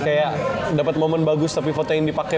kayak dapet momen bagus tapi foto yang dipake